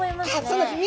そうなんです。